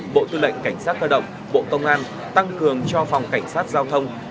bộ tư lệnh cảnh sát cơ động bộ công an tăng cường cho phòng cảnh sát giao thông